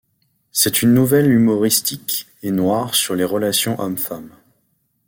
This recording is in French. C’est une nouvelle humoristique et noire sur les relations hommes-femmes.